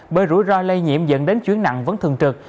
bởi rủi ro lây nhiễm dẫn đến chuyến nặng vẫn thường trực